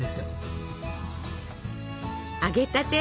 揚げたて